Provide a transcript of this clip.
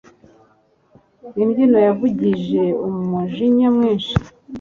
Imbyino yavugije umujinya mwinshi